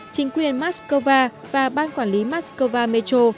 chính quyền moskova và ban quản lý moskova metro